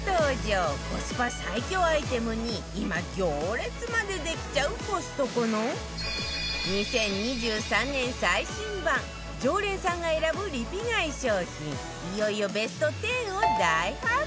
コスパ最強アイテムに今行列までできちゃうコストコの２０２３年最新版常連さんが選ぶリピ買い商品いよいよベスト１０を大発表